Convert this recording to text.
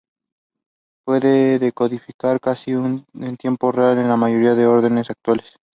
Puede decodificar casi en tiempo real en la mayoría de ordenadores actuales.